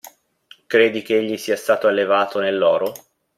Credi che egli sia stato allevato nell'oro?